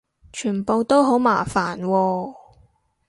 全部都好麻煩喎